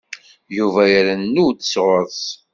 Yuba irennu-d sɣur-s.